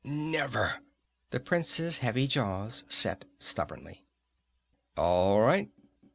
"Never!" The prince's heavy jaws set stubbornly. "All right."